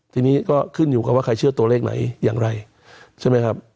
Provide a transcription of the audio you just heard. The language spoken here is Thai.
ทีนี้ก็ขึ้นอยู่กับว่าใครเชื่อตัวเลขไหนอย่างไรใช่ไหมครับ